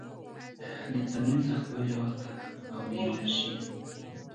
د تمرین سختوالي، وخت او د انرژي